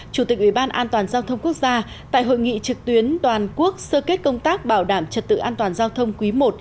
chủ tịch ủy ban an toàn giao thông quốc gia tại hội nghị trực tuyến toàn quốc sơ kết công tác bảo đảm trật tự an toàn giao thông quý i